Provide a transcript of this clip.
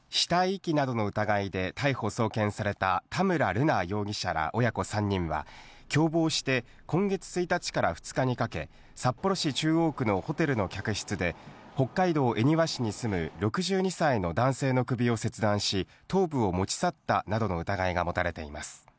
死体遺棄などの疑いで逮捕・送検された田村瑠奈容疑者ら親子３人は共謀して、今月１日から２日にかけ、札幌市中央区のホテルの客室で、北海道恵庭市に住む６２歳の男性の首を切断し、頭部を持ち去ったなどの疑いが持たれています。